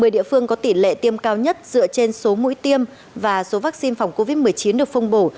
một mươi địa phương có tỷ lệ tiêm cao nhất dựa trên số mũi tiêm và số vaccine phòng covid một mươi chín được phân bổ